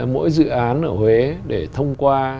mỗi dự án ở huế để thông qua